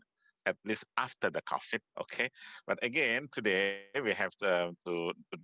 setidaknya setelah ini kita akan menjawab pertanyaan jawab